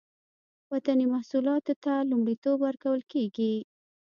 وطني محصولاتو ته لومړیتوب ورکول کیږي